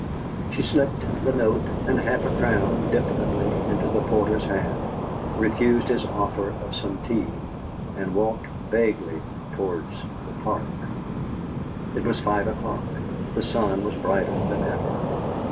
She slipped the note and half a crown diffidently into the porter's hand; refused his offer of some tea, and walked vaguely towards the Park. It was five o'clock; the sun was brighter than ever.